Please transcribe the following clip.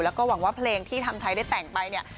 แล้วก็หวังว่าเพลงที่ทำไทยได้แต่งไปเนี่ย